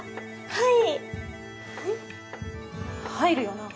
はい？